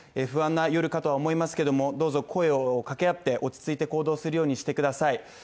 不安な夜かとは思いますけれども、どうぞ声をかけあって、落ち着いて行動するようにしてください。